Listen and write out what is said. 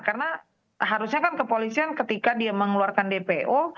karena harusnya kan kepolisian ketika dia mengeluarkan dpo